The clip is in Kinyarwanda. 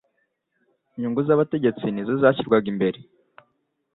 Inyungu z'abategetsi ni zo zashyirwaga imbere